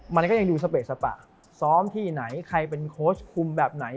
มันก็ยังดูสเปสปะซ้อมที่ไหนใครเป็นโค้ชคุมแบบไหน